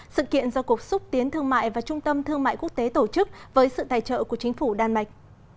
sự kiện do cục xúc tiến thương mại và trung tâm thương mại quốc tế tổ chức với sự tài trợ của chính phủ đan mạch